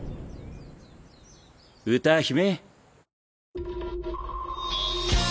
歌姫。